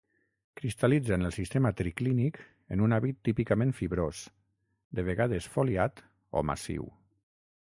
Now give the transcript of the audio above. Cristal·litza en el sistema triclínic en un hàbit típicament fibrós, de vegades foliat o massiu.